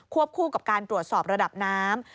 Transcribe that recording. คู่กับการตรวจสอบระดับน้ำ